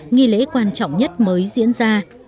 nghi lễ quan trọng nhất mới diễn ra